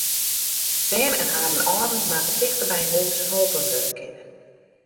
Bern en harren âlden moatte tichteby hús holpen wurde kinne.